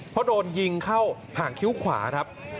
เพราะโดนยิงเข้าห่างคิ้วขวาครับ